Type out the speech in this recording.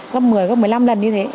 gấp một mươi một mươi năm lần như thế